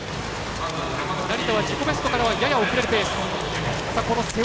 成田は自己ベストからはやや遅れるペース。